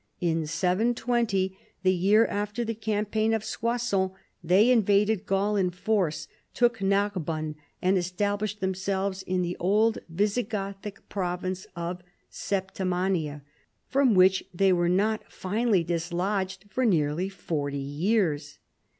In 720, the year after the campaign of Soissons, they invaded Gaul in force, took Karbonne and established tliemselves in the old Visigothic province of Sep timania, from which they were not finally dislodged for nearly forty years.